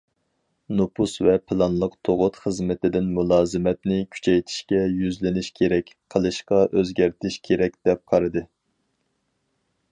نوپۇس ۋە پىلانلىق تۇغۇت خىزمىتىدىن مۇلازىمەتنى كۈچەيتىشكە يۈزلىنىش كېرەك قىلىشقا ئۆزگەرتىش كېرەك دەپ قارىدى.